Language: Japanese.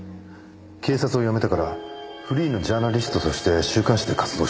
警察を辞めてからフリーのジャーナリストとして週刊誌で活動していた。